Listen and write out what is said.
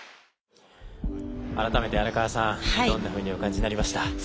改めて荒川さんどんなふうにお感じになりました？